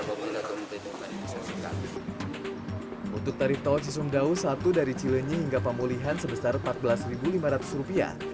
pemulihan untuk tarif tol cisumdaus satu dari cilenyi hingga pemulihan sebesar rp empat belas lima ratus rupiah